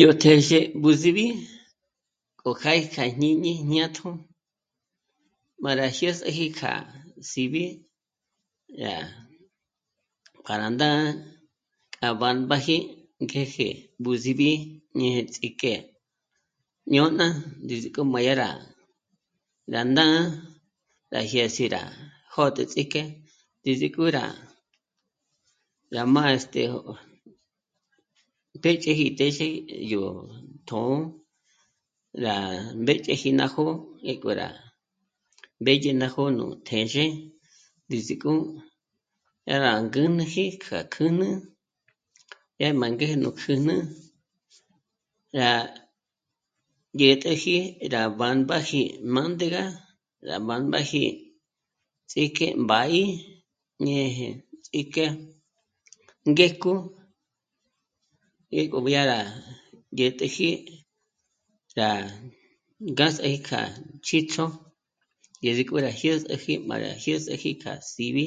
Yó téxe b'ús'ib'i kjo kjâ'a í kja jñíñi jñátjo má rá jyés'eji kjá síb'i rá..., pa rá ndá'a k'a bámbaji ngéje b'ús'ib'i ñéje ts'íjk'e jñôna ndízik'o má dyá rá, rá ná'a, rá jyés'i rá jö̌d'ü ts'íjk'e ndízik'o rá, rá mâ'a este..., péch'eji téxe yó tjṓ'ō rá mbéch'eji ná jó'o ngék'o rá mbédye ná jó'o nú téxe, ndízik'o dyá rá ngǚnuji k'a kjǘjnü, yá má ngéje gó kjǘjnü rá dyä̀t'äji rá bámbaji m'ândega, rá bámbaji ts'íjk'e mbá'i ñéje ts'íjk'e ngéjk'o, ngék'o dyá rá dyä̀t'äji rá ngás'aji kja chjǐjchjo ndízik'o rá jyés'eji má rá jyés'eji k'a síb'i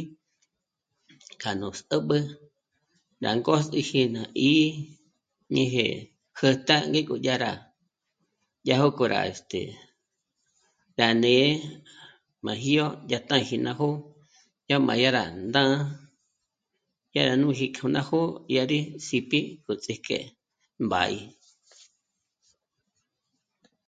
k'a nú sǚb'ü, rá ngôs'iji ná 'í'i ñéje kjǜtá'n'i dyá rá, dyá jók'ò rá este..., rá né'e má jyó'o yá táji ná jó'o dyá má yá rá ndá'a, dyá rá núji k'o ná jó'o dyá rí síp'i mbúts'íjk'e b'á'i